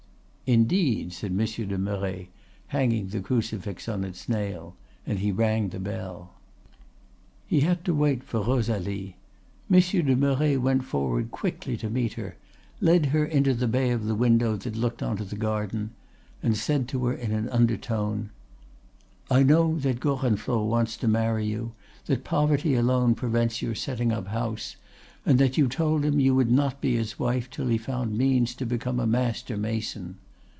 "'Indeed,' said Monsieur de Merret, hanging the crucifix on its nail; and he rang the bell. "He had to wait for Rosalie. Monsieur de Merret went forward quickly to meet her, led her into the bay of the window that looked on to the garden, and said to her in an undertone: "'I know that Gorenflot wants to marry you, that poverty alone prevents your setting up house, and that you told him you would not be his wife till he found means to become a master mason.